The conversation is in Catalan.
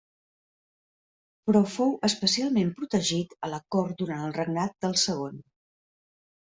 Però fou especialment protegit a la cort durant el regnat del segon.